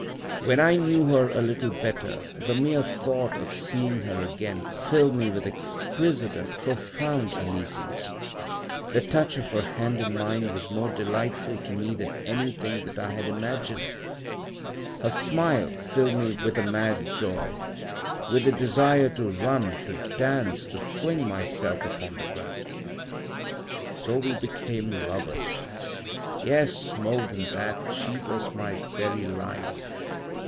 "When I knew her a little better, the mere thought of seeing her again filled me with exquisite and profound uneasiness; the touch of her hand in mine was more delightful to me than anything that I had imagined; her smile filled me with a mad joy, with the desire to run, to dance, to fling myself upon the ground. "So we became lovers. "Yes, more than that: she was my very life.